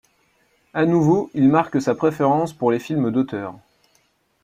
À nouveau, il marque sa préférence pour les films d'auteur.